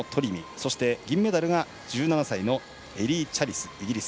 そして、銀メダルが１７歳のエリー・チャリス、イギリス。